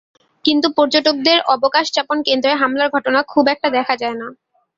কিন্তু পর্যটকদের অবকাশযাপন কেন্দ্রে হামলার ঘটনা খুব একটা দেখা যায় না।